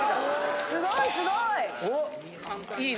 すごいすごい！